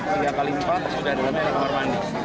tiga x empat sudah ada rumah yang parmani